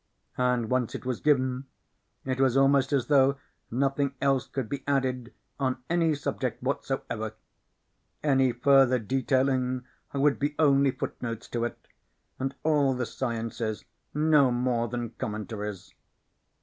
And once it was given, it was almost as though nothing else could be added on any subject whatsoever. Any further detailing would be only footnotes to it and all the sciences no more than commentaries.